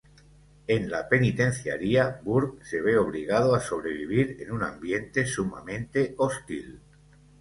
En la penitenciaría, Burke se ve obligado a sobrevivir en un ambiente sumamente hostil.